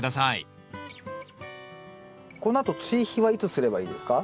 このあと追肥はいつすればいいですか？